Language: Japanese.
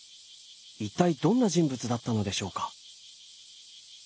一体どんな人物だったのでしょうか？